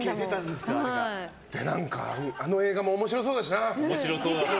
で、何かあの映画も面白そうだしな。